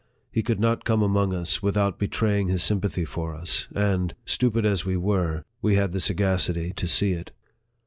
He could not come among us without betraying his sympathy for us, and, stupid as we were, we had the sagacity to see it.